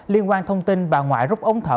liên quan thông tin bà ngoại rút ống thở